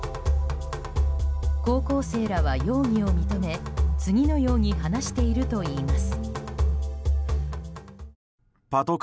高校生らは容疑を認め次のように話しているといいます。